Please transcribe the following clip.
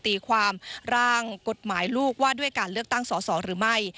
ตีความร่างกฎหมายลูกว่าด้วยการเลือกตั้งสอสอหรือไม่